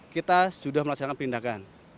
kita sudah melaksanakan perlindahan